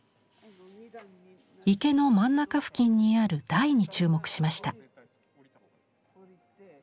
池の真ん中付近にある台に注目しました。